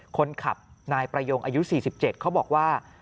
คนขับนายประยงอายุ๔๗เขาบอกว่า